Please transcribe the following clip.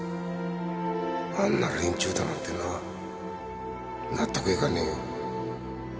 あんな連中だなんて納得いかねえよ